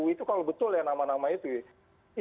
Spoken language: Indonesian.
itu kalau betul ya nama nama itu ya